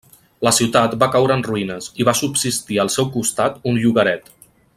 La ciutat va caure en ruïnes i va subsistir al seu costat un llogaret.